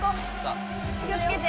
・気をつけて。